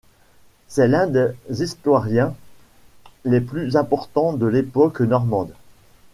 C'est l'un des historiens les plus importants de l'époque normande.